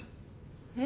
えっ？